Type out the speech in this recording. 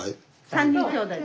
３人きょうだい。